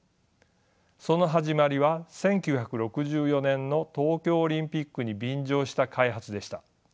その始まりは１９６４年の東京オリンピックに便乗した開発でした。